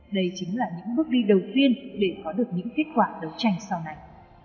đây chính là những bước đi đầu tiên để có được những kết quả đấu tranh sau này